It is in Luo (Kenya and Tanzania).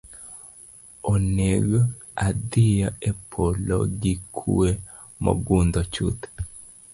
Oneg’ adhiyo e polo gi kuwe mogundho chuth.